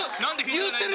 言ってる！